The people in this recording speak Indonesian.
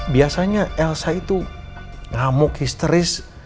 biasanya elsa itu ngamuk histeris